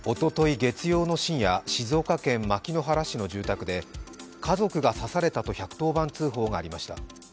月曜の深夜静岡県牧之原市の住宅で家族が刺されたと１１０番通報がありました。